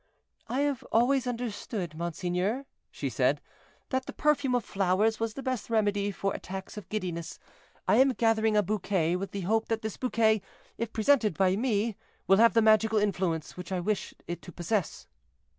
"I have always understood, monseigneur," she said, "that the perfume of flowers was the best remedy for attacks of giddiness; I am gathering a bouquet with the hope that this bouquet, if presented by me, will have the magical influence which I wish it to possess."